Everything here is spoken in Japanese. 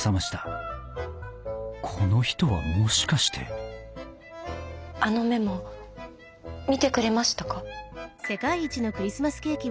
この人はもしかしてあのメモ見てくれましたか？